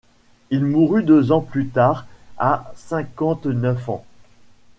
Il mourut deux ans plus tard à cinquante-neuf ans.